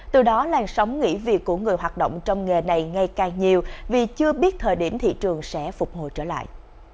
từ đó làn sóng nghỉ việc của người hoạt động trong nghề này ngày càng nhiều vì chưa biết thời điểm thị trường sẽ phục hồi trở lại